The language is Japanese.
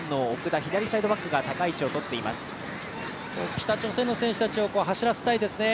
北朝鮮の選手たちを走らせたいですね。